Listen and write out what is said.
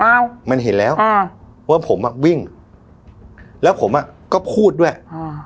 อ้าวมันเห็นแล้วอ่าว่าผมอ่ะวิ่งแล้วผมอ่ะก็พูดด้วยอ่า